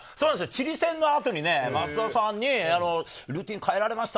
チリ戦の後に松田さんにルーティン変えられました？